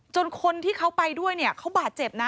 จนคนที่เขาไปด้วยเขาบาดเจ็บนะ